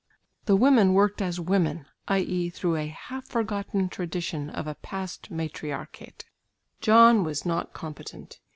The women worked as women, i.e. through a half forgotten tradition of a past matriarchate. John was not competent.